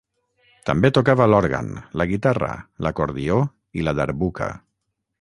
També tocava l'òrgan, la guitarra, l'acordió i la darbuka.